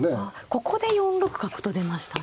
ここで４六角と出ましたね。